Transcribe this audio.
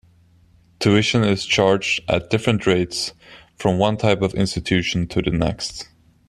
Tuition is charged at different rates from one type of institution to the next.